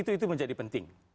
itu itu menjadi penting